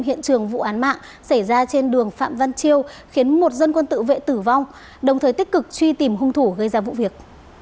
hiện trường vụ án mạng xảy ra trên đường phạm văn chiêu khiến một dân quân tự vệ tử vong đồng thời tích cực truy tìm hung thủ gây ra vụ việc